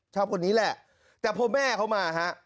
คนนี้แหละแต่พอแม่เขามาฮะ